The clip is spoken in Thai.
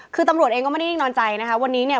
คือตำรวจเองก็ไม่ได้นิ่งนอนใจนะคะวันนี้เนี่ย